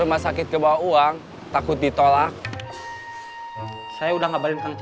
masa kamu gak punya uang sama sekali